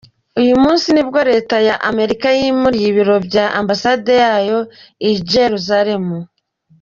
Uyu munsi nibwo Leta ya Amerika yimuriye ibiro bya Ambasade yayo i Jerusalem.